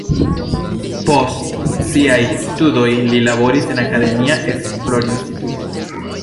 Post siaj studoj li laboris en akademia esplorinstituto.